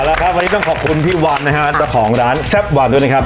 อ่าเอาละครับวันนี้ต้องขอบคุณพี่วันนะฮะของร้านแซ่บหวานด้วยนะครับ